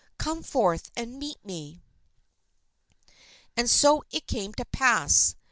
Come forth and meet me." And so it came to pass.